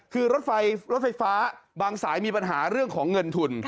คือรถไฟรถไฟฟ้าบางสายมีปัญหาเรื่องของเงินทุน